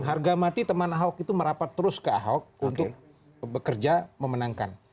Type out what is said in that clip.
harga mati teman ahok itu merapat terus ke ahok untuk bekerja memenangkan